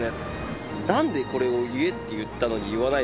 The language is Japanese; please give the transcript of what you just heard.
「なんでこれを言えって言ったのに言わないの？」